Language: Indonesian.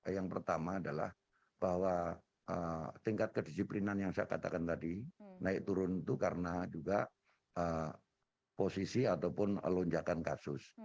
yang pertama adalah bahwa tingkat kedisiplinan yang saya katakan tadi naik turun itu karena juga posisi ataupun lonjakan kasus